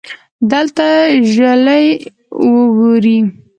دلته ژلۍ ووري